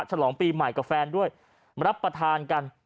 ฉลองปีใหม่กับแฟนด้วยมารับประทานกัน